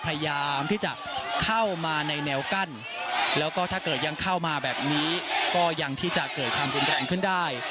พยายามที่จะเข้ามาในแนวกั้นแล้วก็ถ้าเกิดยังเข้ามาแบบนี้ก็ยังที่จะเกิดความรุนแรงขึ้นได้